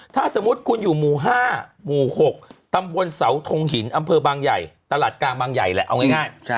ถ้าสมมุติคุณอยู่หมู่๕หมู่๖ตำบลเสาทงหินอำเภอบางใหญ่ตลาดกลางบางใหญ่แหละเอาง่าย